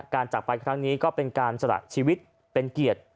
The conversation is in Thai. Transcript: จากไปครั้งนี้ก็เป็นการสละชีวิตเป็นเกียรติ